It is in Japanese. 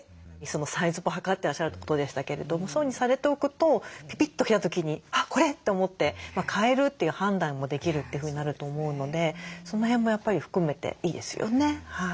サイズもはかってらっしゃるってことでしたけれどそういうふうにされておくとピピッと来た時にこれ！と思って買えるという判断もできるってふうになると思うのでその辺もやっぱり含めていいですよね。